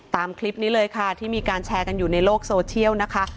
ตามคลิปนี้เลยค่ะที่มีการแชร์กันอยู่ในโลกโซเชียลนะคะ